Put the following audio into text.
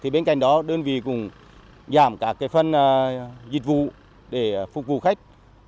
bên cạnh đó đơn vị cũng giảm các phần dịch vụ để phục vụ khách